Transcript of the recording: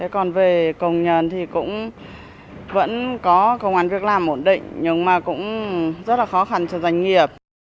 còn về công nhân thì cũng vẫn có công an việc làm ổn định nhưng mà cũng rất là khó khăn cho doanh nghiệp